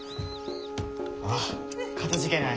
あっかたじけない。